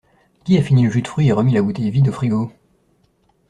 Qui a fini le jus de fruit et remis la bouteille vide au frigo?